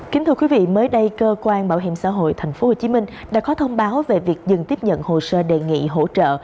kính thưa quý vị mới đây cơ quan bảo hiểm xã hội tp hcm đã có thông báo về việc dừng tiếp nhận hồ sơ đề nghị hỗ trợ